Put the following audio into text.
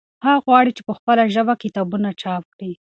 هغوی غواړي چې په خپله ژبه کتابونه چاپ کړي.